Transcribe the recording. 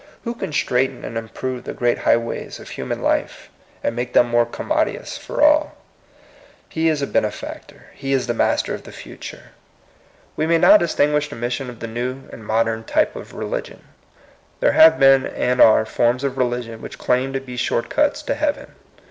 Who can straighten and improve the great highways of human life, and make them more com modious for all ? He is a benefactor ; he is the master of the future. SHORT CUTS TO SUCCESS, OS We may now distinguish the mission of the new and modern type of religion. There have been and are forms of religion which claimed to be short cuts to heaven.